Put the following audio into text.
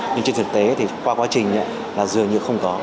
nhưng trên thực tế thì qua quá trình là dường như không có